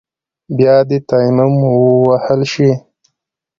بيا دې تيمم ووهل شي.